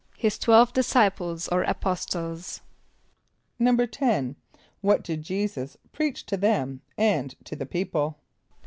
=His twelve disciples or apostles.= =10.= What did J[=e]´[s+]us preach to them and to the people?